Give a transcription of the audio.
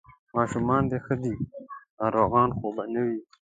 ماشومان دې ښه دي، ناروغان خو به نه وي؟